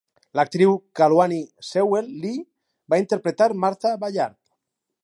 L'actriu Kaluani Sewell Lee va interpretar Martha Ballard.